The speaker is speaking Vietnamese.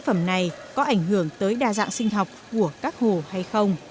phẩm này có ảnh hưởng tới đa dạng sinh học của các hồ hay không